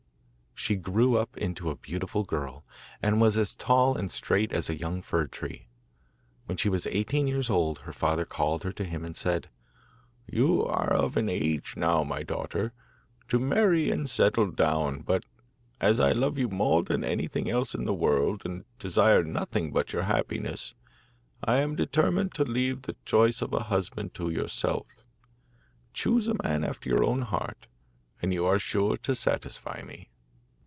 She grew up into a beautiful girl, and was as tall and straight as a young fir tree. When she was eighteen years old her father called her to him and said: 'You are of an age now, my daughter, to marry and settle down; but as I love you more than anything else in the world, and desire nothing but your happiness, I am determined to leave the choice of a husband to yourself. Choose a man after your own heart, and you are sure to satisfy me.